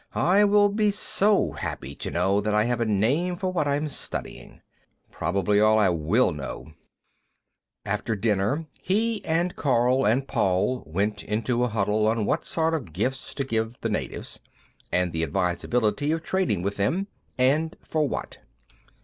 I will be so happy to know that I have a name for what I'm studying. Probably be all I will know." After dinner, he and Karl and Paul went into a huddle on what sort of gifts to give the natives, and the advisability of trading with them, and for what.